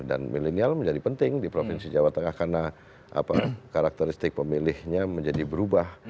milenial menjadi penting di provinsi jawa tengah karena karakteristik pemilihnya menjadi berubah